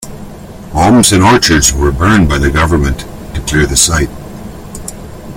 Homes and orchards were burned by the government to clear the site.